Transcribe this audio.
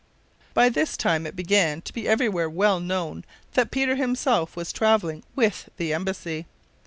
By this time it began to be every where well known that Peter himself was traveling with the embassy.